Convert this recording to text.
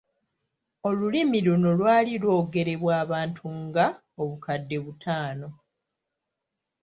Olulimi luno lwali lwogerebwa abantu nga: obukadde butaano.